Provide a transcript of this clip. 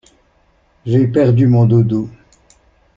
J'ai perdu mon doudou!